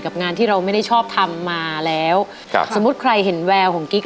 งานที่เราไม่ได้ชอบทำมาแล้วครับสมมุติใครเห็นแววของกิ๊ก